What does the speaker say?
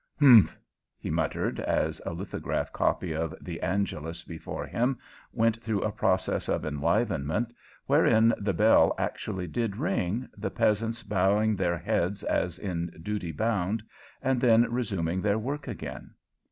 "Humph!" he muttered, as a lithograph copy of "The Angelus" before him went through a process of enlivenment wherein the bell actually did ring, the peasants bowing their heads as in duty bound, and then resuming their work again.